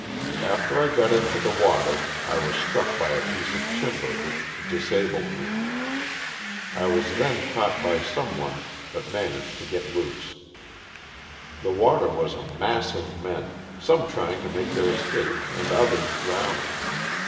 After I got into the water I was struck by a piece of timber which disabled me. I was then caught by some one but managed to get loose. The water was a mass of men, some trying to make their escape and others drowning.